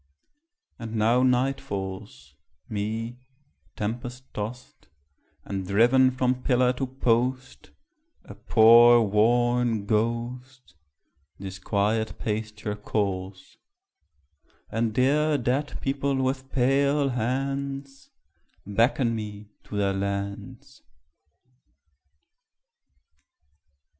And now night falls, Me, tempest tost, and driven from pillar to post, A poor worn ghost, This quiet pasture calls; And dear dead people with pale hands Beckon me to their lands.